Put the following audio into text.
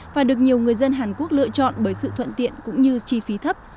và được nhiều người dân hàn quốc lựa chọn bởi sự thuận tiện cũng như chi phí thấp